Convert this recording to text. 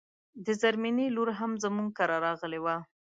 د زرمينې لور هم زموږ کره راغلی و